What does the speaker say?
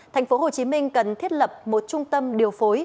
thành phố hồ chí minh cần thiết lập một trung tâm điều phối